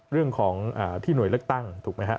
เรื่องของที่หน่วยเลือกตั้งถูกไหมครับ